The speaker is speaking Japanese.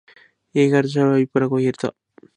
家に帰りつくとシャワーを浴び、一杯のコーヒーを淹れた。